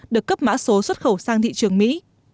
được cấp mã số xuất khẩu sang thị trường mỹ